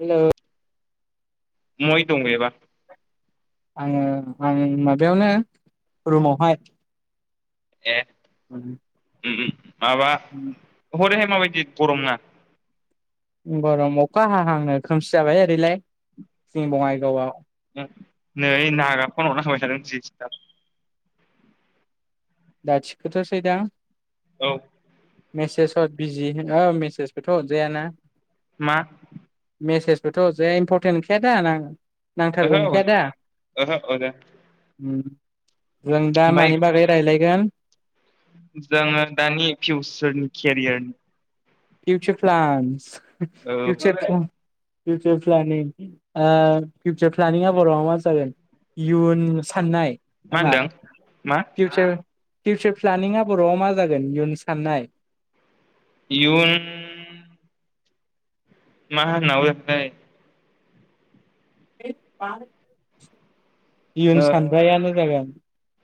हेल' [unintelligible] आङो आं माबायावनो रुमावहाय ए [inaudible] उम उम माबा [unintelligible] माबायदि गरम ना गरम अखा हाहांनो खोमसि जाबाय ओरैलाय जोंनि बङाइगावआव नै नागा [unintelligible] दा थिखोथ'सै दा औ मेसेज हर बिजि मेसेजखौथ' हरजायाना मा मेसेजबोथ' हरजाया इम्परटेन्ट नंखाया दा नां नांथारगौ ओहो नंखाया दा ओहो अजा जों दा ओमफ्राय मानि बागै रायलाय गोन जोङो दानि फिउचारनि केरियारनि फिउचार‌ प्लान्स औ फउचार [unintelligible] बिउसार प्लेनिं ओ फिउसार प्लेनिङा बर'वाव मा जागोन इयुन साननाय। मा नामा होनदों मा फिउसार फिउसार प्लेनिंआ बर'वाव मा जागोन इयुन साननाय। इयुन मा होनाव [unintelligible] [unintelligible] इयुन ओ सानग्रायानो जागोन।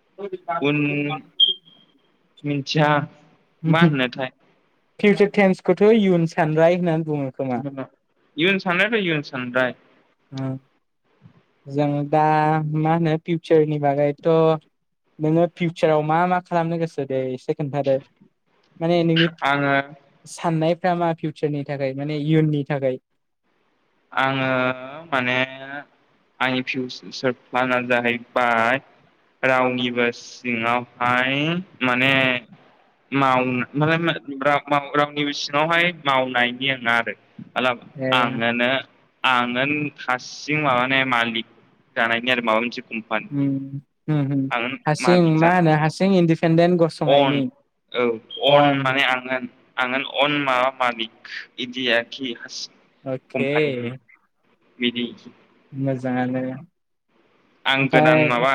[unintelligible] मिनथिया मा होनोथाय। फिउचार टेन्सखौथ' इयुन सानथाय होननानै बुङो खोमा इयुन सानरायाथ' इयुन सानराय। जों दा मा होनो फिउचारनि बागैथ' नोङो फिउचाराव मा मा खालामनो गोसो दे एसे खोनथादो माने नोंनि आङो साननाय [unintelligible] फिउचारनि थाखाय माने इयुननि थाखाय आङो माने आंनि फिउचारार प्लाना जाहैबाय रावनिबो सिङावहाय माने माव [unintelligible] रावनिबो सिङावहाय मावनायनि [unintelligible] आरो। [unintelligible] आ ए होनो आङोन हारसिं माबाने मालिक जानायनि आरो माबा मोनसे। कम्पानिनि उम उम उम आं हारसिं मालिक मा जानो होनो हारसिं इन्दि अन औ अन माने आंगोन। [unintelligible] अन माबा मालिक [unintelligible] अके कम्पानिनि बिदि मोजाङानो आं गोदान ओमफ्राय माबा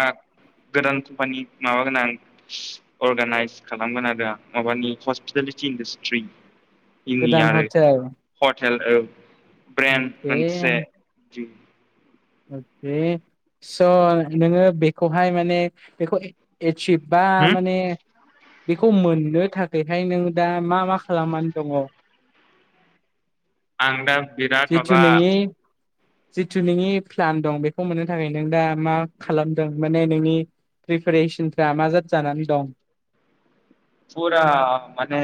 गोदान कम्पानि माबागोन आं अर्गानाइस खालामगोन आरो आं माबानि हस्पिटेलिटि इन्डासट्रि। गोदान हटेल। टेल ओ। ब्रेन्द अके मोनसे [inaudible] अके स' नोङो बेखौहाय माने बेखौ चिप बा माने बेखौ मोननो थाखायहाय नों दा मा मा खालामनानै दङ? आं दा बिराद जिथु माबा नोंनि जिथु नोङि प्लान दं बेखौ मोननो थाखाय नों दा मा खालामदों माने नोंनि प्रिपेरेसनफ्रा मा जाद जानानै दं? फुरा माने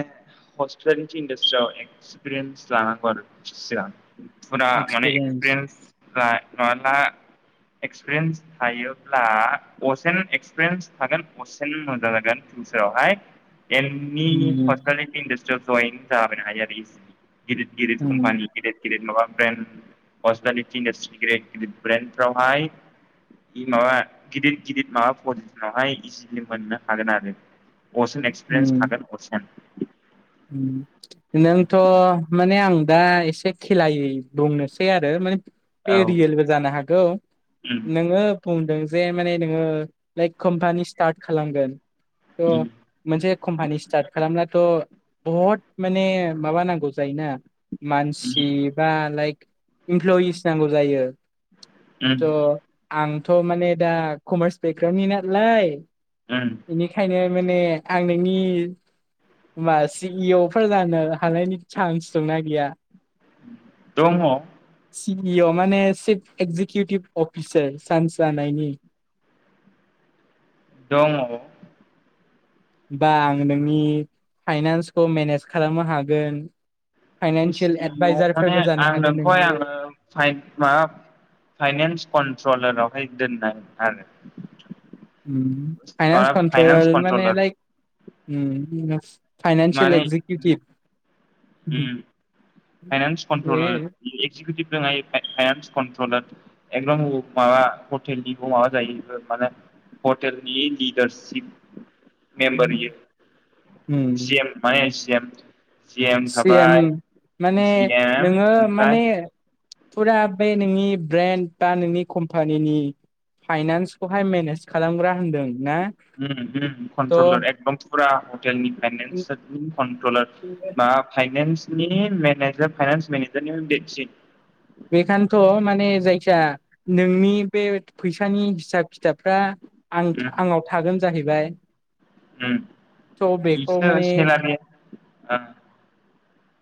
हस्पिटेलिटी इण्डास्ट्रियाव एक्सपिरियेन्स लानांगौ आरो सिगां। फुरा माने एक्सपिरियेन्स फ्राय माबाला एक्सपिरियेन्स थायोब्ला असेनो एक्सपिरियेन्स थागोन असेनो मोजां जागोन फिउचारावहाय। एनि उम हस्पिटेलिटी इण्डास ट्रि आव जयन जानो हायो आरो इजिलि। गिदिद गिदिद उम कम्पानि गिदिद गिदिर माबा ब्रेन्ड हस्पिटेलिटी इण्डास्ट्रि गिदिद गिदिद ब्रेन्डफ्रावहाय माबा गिदिर गिदिर माबा पजिसनावहाय इजिलि मोननो हागोन आरो हस एक्सपिरियेन्स उम थागोन असेन। नोंथ' माने आं दा एसे खेलायै बुंनोसै आरो माने बे औ रियेलबो जानो हागौ उम नोङो बुंदों जे माने नोङो लाइक कम्पानि स्टार्ट खालामगोन थ' उम मोनसे कम्पानि स्टार्ट खालामब्लाथ' बहत माने माबा नांगौ जायोना उम मानसि बा लाइक इमप्लयिस नांगौ जायो। उम थ' आंथ' माने दा कमार्स बेकग्राउण्डनि नालाय उम बेनिखायनो माने आं नोंनि मा सि इ अ' फोर जानो हानायनि चान्स दंना गैया? दङ। सि इ अ' माने चिफ एक्जिकिउटिभ अफिसार चान्स जानायनि। दङ'। बा आं नोंनि फाइनान्सखौ मेनेज खालामनो हागोन। फाइनानसियेल सि इ अ' माने एडभाइजारफोरबो जानो आं हागोन नोंखौहाय नोंनि आङो फाइन माबा फाइनेन्स कन्ट्रलारावहाय दोननाय आरो उम फाइनान्स माबा फाइनान्स कन्ट्रल माने कन्ट्रलार लाइक उम [unintelligible] फाइनान्सियेल माने एक्जिकिउटिभ। उम finance controller executive finance controller [unintelligible] माबा [unintelligible] माबा जायो माने हटेलनि लिडारसिप मेम्बार इयो [inaudible] C M [unintelligible] [unintelligible] C M CM थाबाय। माने जि एम नोङो माने ओमफ्राय फुरा बे नोंनि ब्रेन्ड बा नोंनि कम्पानिनि फाइनान्सखौहाय मेनेज खालामग्रा होनदों। ना उम उम थ' कन्ट्रलार एकदम फुरा नि फाइनेस [unintelligible] नि कन्ट्रलार मा फाइनस नि मेनेजार फाइनान्स मेनेजारनिबो देदसिन। बेखायनोथ' माने जायखिजया नोंनि बे फैसानि हिसाब खिथाबफ्रा आंथ आंनाव थागोन जाहैबाय। उम, थ' बेखौ इसो माने [unintelligible] ओ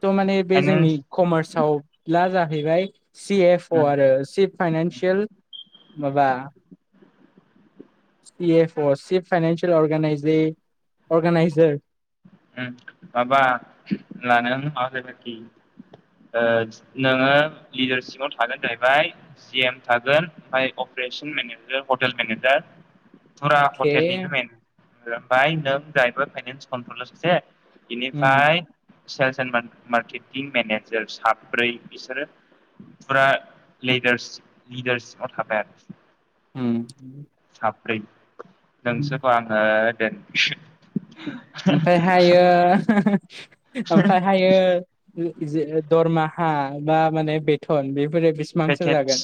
स' माने बे जोंनि कमार्सआव ला जा हैबाय। सि एफ अ आरो सि फाइनानसियेल माबा सि एफ अ सिप फाइनसियेल अगजे अर्गानाइजार ओं माबा [unintelligible] जाहैबा आरोखि ओ नोङो लिडारशिपआव थागोन जाहैबाय सि एम थागोन ओमफ्राय अप्रेशन मेनेजार हटेल मेनेजार। फुरा अके हटेलनिनो मेन। ओमफाय नों जाहैबाय फाइनानसि [unintelligible] उम बेनिफ्राय सेल्स एन्ड मार्केटिं मेनेजार साब्रै बिसोरो फुरा लिडारसि लिडारसिपाव थाबाय आरो। उम। [inaudible] नोंसोरखौ आङो। [unintelligible] ओमफ्रायहायो। [unintelligible] ओमफायहायो ओ जे दरमा हा बा माने बेेथन बे फोर बेसेबांसो पेकेज जागोन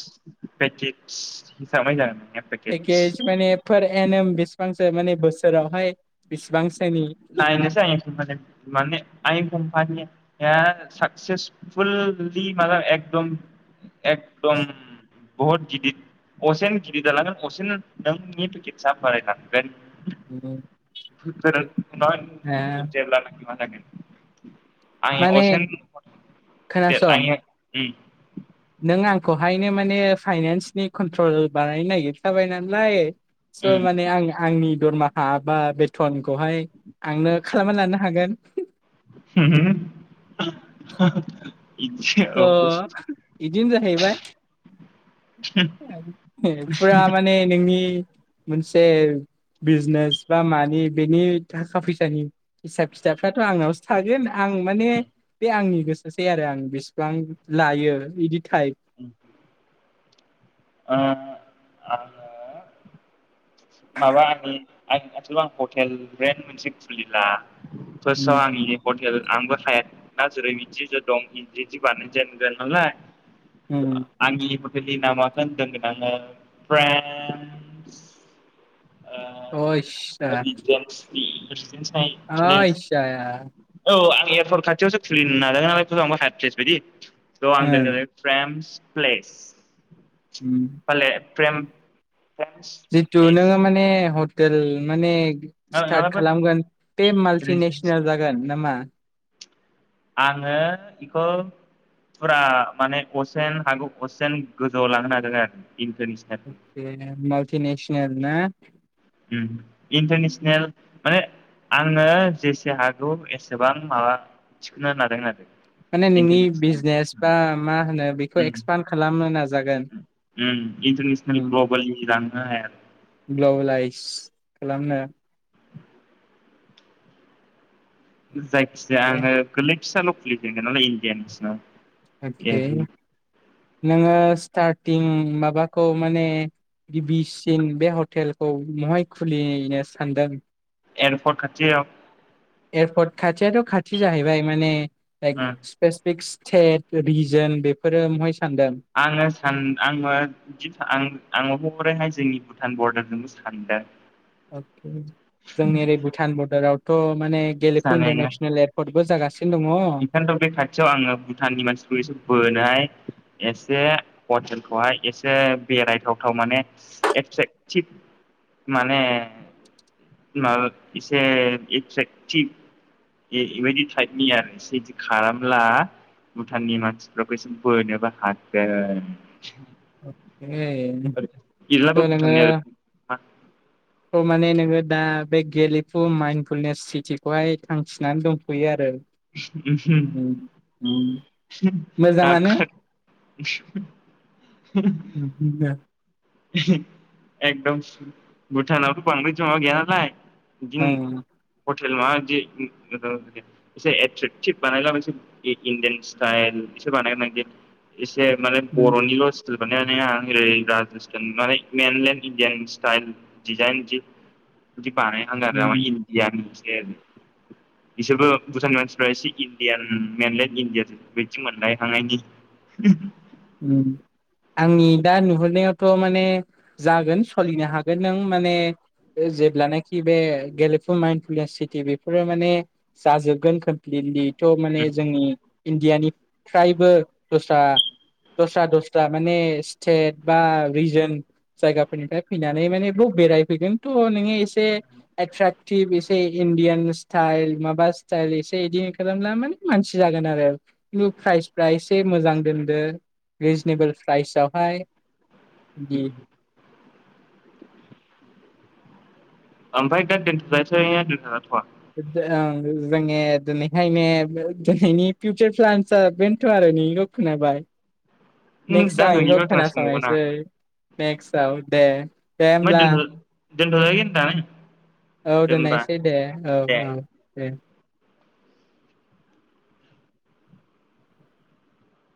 पेकेज हिसाबै जागोन नोंनिया पेकेज माने पार एनेम बेसेबांसो माने बोसोरावहाय बेसेबांस नायनोसै आं एसां जागोन माने आंनि कम्पानिया साक्सेसफुल जुदि माबा एकदम एकदम बहुद गिदिद असेनो गिदिद जालांगोन असेनो नोंनि पेकेटसआ बारायलांगोन [unintelligible] [unintelligible] [unintelligible] आं माने असेेन [unintelligible] खोनासं उम नों आंखौहायनो माने फाइनेन्सनि कन्ट्रल बानायनो नायगिरखाबाय नालाय स' उम माने आं आंनि दरमाहा बा बेथन खौहाय आंनो खालामना लानो हागोन उम इदि औ थ' बिदिनो जाहैबाय फुरा माने नोंनि मोनसे बिजनेस बा मानि बेनि थाखा फैसानि हिसाब खि [unintelligible] थ' आंनावसो थागोन आं माने बे आंनि गोसोसै आरो आं बिस बां लायो इदिद आ आङो माबा आं आंनि ओनसोलाव आं हटेल रेन मोनसे खुलिला उम पर्साव आंनि [unintelligible] [unintelligible] आंबो हाया ना जेरै इदि जे दं इदि इदि बानायजेनगोन नङा आ उम [unintelligible] [unintelligible] होनगोन आङो [unintelligible] ओ अ इसा [unintelligible] [unintelligible] औ आ [unintelligible] एयारपर्ट खाथियावसो खुलिनो नाजागोन नालाय [unintelligible] बायदि। ओउ आं उम [unintelligible] फ्रेम्स। प्लेस। ओम फाले ओम फ्रेम फ्रेम्स जिथु प्लेस नोङो माने हतेल माने स्तार्तत नङाबा खालामगोन बे रिजेन्सि माल्तिनेसनेल जागोन नामा? आङो इखौ फुरा माने असेन हागौ असेन गोजौवाव लांनो नाजागोन आरो इन्टारनेसनेलखौ बेहायनो मालथि नेसनेल ना। ओम इन्टारनेसनेल। माने आंनो जेसे हागौ एसेबां माबा थिखोनो नादों आरो माने नोंनि इन्टारनेसनेल बिजनेस लेभेलसिमाव बा मा होनो बेखौ एक्सपान खालामनो नाजा ओम इन्टारनेसनेल ग्लबेलनि रां नोङो हाया। ग्लबेलाइस खालामनो। जायखिजाया आङो गोरलै फिसाल' खुलिगोन [unintelligible] लाय इण्डयान नेसनङाव। [unintelligible] नोङो स्टारथिं माबाखौ माने गिबिसिन बे हटेलखौ बहाय खुलिनो सानदों। एरपर्ट खाथियाव एरपर्ट खाथियाथ' खाथि जाहैबाय माने दायक उम स्पेस फिक्स। सेट रिजन बेफोरो महाय सानदों आङो सान आंङो जि आं आङो आं [unintelligible] जोंनि भुटान बरडारजोंबो सानदों। अके जोंनि ओरै बुथान बर्डाराव। थ' माने गेलेखु इन्टारनेसनेल एरपर्ट। बो जागास नेपाल दै खाथियाव आंङो भुटाननि मानसिखौ एसे बोनोहाय एस बे हटेलखौहाय एसे बेरायथावथाव माने एट्रेकटिभ माने माबा एसे इट्रेकटिभ इ-इबायदि टाइपनि आरो। इसे बिदि खालामला भुटाननि मानसि फोरखौ एसे बोनोबो हागोन। उम एह स नोंङो आह। थ' माने नोङो दा बे गेलेफु माइनफुलनेस सिटिखौहाय थांखिनानै दंथ'यो आरो उम उम मोजाङानो [unintelligible] [unintelligible] एकदम भुटानावथ' बांद्राय जङा गैया नालाय ओं [unintelligible] जे माने बर'निल' सि [unintelligible] [unintelligible] उम इन्डियान सिटेल डिइचेन इदि इदि बानाय हांगोन आरो उम इण्डियान गेम बिसोरबो भुटाननि मानसिफ्रा एसे इणडियान मेनलेणड इण्डियान बिथि मोनलायखांनायनि उम आंनि दा नुहुरनायावथ' माने जागोन सलिनो हागोन नों माने जेब्लानाखि बे गेलेफुन माइन पु सिटि बेफोरो माने जाजोबगोन कमप्लिटलि थ' माने जोंनि इण्डियानि ट्राइब बो दस्रा दस्रा दस्रा माने स्टेट बा रिजन जायगाफोरनिफ्राय फैनानै माने बाव बेरायफैगोन थ' नोङो एसे एट्राेक्टिभ एसे इण्डियान स्टाइल माबा स्टाइल एसे बिदि खालामब्ला माने मानसि जागोन आरो खिन्थु प्राइसफ्रा एसे मोजां दोनदो रिजनेबोल प्राइसआवहाय बिदि उम। ओमफ्राय दा दोनथ'जायसै दोनथ' जाथ'आ ओं जोङो दिनैहायने दिनैनि फिउचार प्लेनसआ बेनोथ' आरो नोंनिल खोनाबाय दा नेक्स्टआव आखौ नोंनिबो खोनासंबावगोन आं खोनासंनायसै नेक्स्टआव दे दे होमब्ला दोनथदो [unintelligible] औ दोननायसै दे औ औ दे